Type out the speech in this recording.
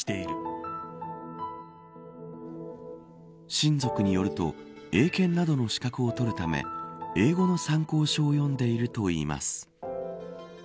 親族によると英検などの資格を取るため英語の参考書を読んでいるといいます。